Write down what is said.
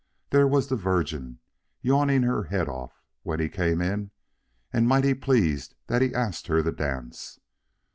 There was the Virgin, yawning her head off when he came in and mightily pleased that he asked her to dance.